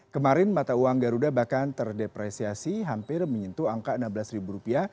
kemarin mata uang garuda bahkan terdepresiasi hampir menyentuh angka rp enam belas